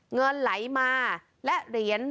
เงินไหลมาและเหรียญ